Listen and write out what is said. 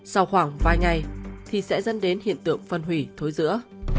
sau khoảng vài ngày thì sẽ dân đến hiện tượng phân hủy thối dữa